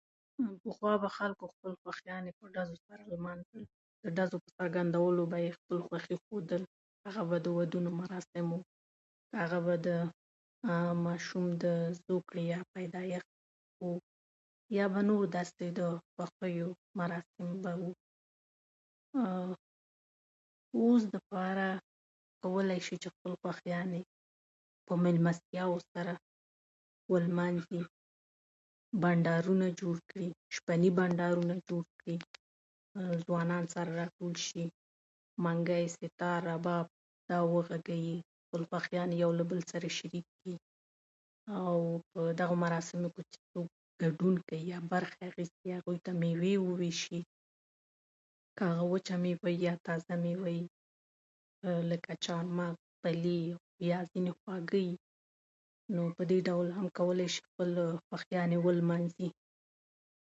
پخوا به خلکو خپلې خوښیانې په ‌ډزو سره لمانځلې. د ډزو په څرګندولو به یې خوښي ښودله؛ هغه که د ودونو مراسم وو، هغه به د ماشوم د زوکړې یا پیدایښت و، یا به نور داسې د خوښیو مراسم وو. اوس دپاره کولای شي چې خپلې خوښیانې په مېلمستیاوو سره ولمانځي، بنډارونه جوړ کړي، شپني بنډارونه جوړ کړي، ځوانان سره راټول شي، منګی، ستار، رباب دا وغږوي، [unintelligible] له یو بل سره شریکې کړي. او په دغو مراسمو کې که څوک ګډون کوي یا برخه اخلي، هغو ته مېوې وویشي؛ که هغه وچه مېوه وي یا تازه مېوه وي، لکه چهارمغز، پلي یا ځینې خواږه وي، نو په دې ډول هم کولای شو خپلې خوښیانې ولمانځي.